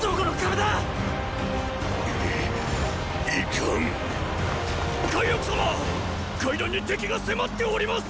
階段に敵が迫っております！